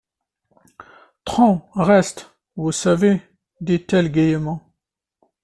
Tron reste, vous savez, dit-elle gaîment.